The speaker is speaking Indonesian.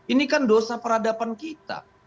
ini kan dosa peradaban kita